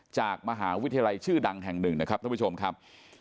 จากมหาวิทยาลัยชื่อดังแห่งหนึ่งนะครับท่านผู้ชมครับ